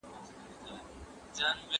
که وخت وي، مېوې وچوم؟!